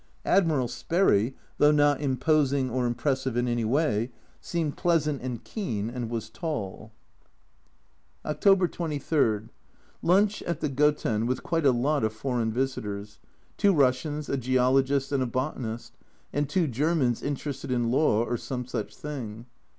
Admiral Sperry, though not imposing or impressive in any way, seemed pleasant and keen, and was tall. October 23. Lunch at the Goten, with quite a lot of foreign visitors, two Russians, a geologist and a botanist, and two Germans interested in law or some such thing.